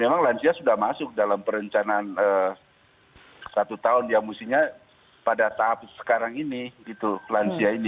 memang lansia sudah masuk dalam perencanaan satu tahun ya mestinya pada tahap sekarang ini gitu lansia ini